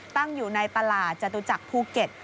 ตั้งอยู่ในตลาดจตุจักรภูเก็ต